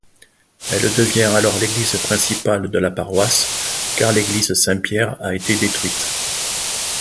Elle devient alors l'église principale de la paroisse car l'église Saint-Pierre a été détruite.